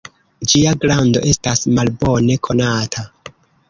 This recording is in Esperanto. Ĝia grando estas malbone konata.